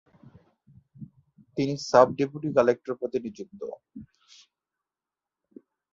তিনি sub deputy collector পদে নিযুক্ত হন।